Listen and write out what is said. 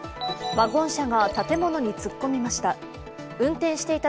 ワゴン車が建物に突っ込みました。